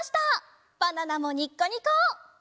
バナナもニッコニコ！